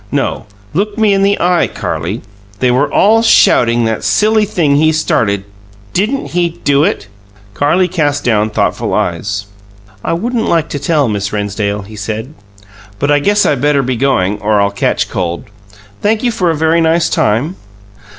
No; look me in the eye, Carlie! They were all shouting that silly thing he started. Didn't he do it?" Carlie cast down thoughtful eyes. "I wouldn't like to tell, Miss Rennsdale," he said. "I guess I better be going or I'll catch cold. Thank you for a very nice time."